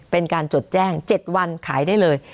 เป็นการจดแจ้ง๗วันขายได้เลย